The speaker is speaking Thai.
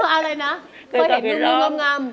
อะไรนะเคยเห็นงูงำ